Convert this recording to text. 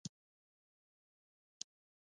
تیزاب معمولا ترش خوند لري.